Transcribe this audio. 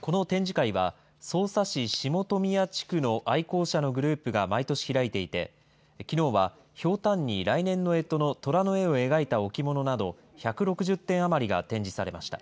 この展示会は、匝瑳市下富谷地区の愛好者のグループが毎年開いていて、きのうはひょうたんに来年のえとのとらの絵を描いた置物など、１６０点余りが展示されました。